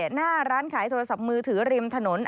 หน้าร้านขายโทรศัพท์มือถือริมถนน